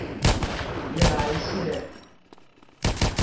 宜蘭線